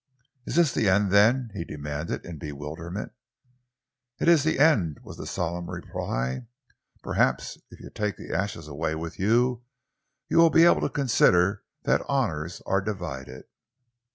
"Is this the end, then?" he demanded in bewilderment. "It is the end," was the solemn reply. "Perhaps if you take the ashes away with you, you will be able to consider that honours are divided."